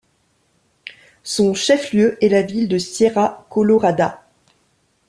Son chef-lieu est la ville de Sierra Colorada.